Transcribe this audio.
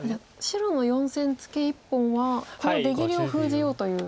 白の４線ツケ１本はその出切りを封じようという。